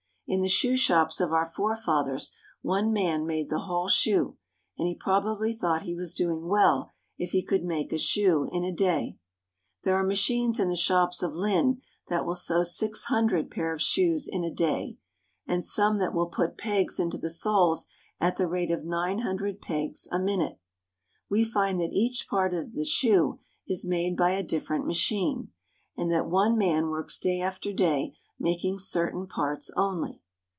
In the shoe shops of our forefathers one man made the whole shoe, and he probably thought he was doing well if he could make a shoe in a day. There are machines in the shops of Lynn that will sew six hundred pairs of shoes in a day, and some that will put pegs into the soles at the rate of nine hundred pegs a minute. We find that each part of the shoe is made by a different machine, and that one man works day after day making certain parts only.